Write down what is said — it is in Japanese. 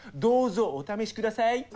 どうぞお試しください。